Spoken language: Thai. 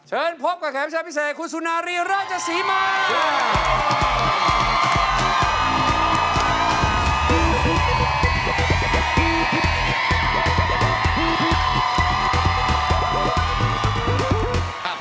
เชิญพบกับแขนชาพิเศษคุณสุนารีราชศรีมา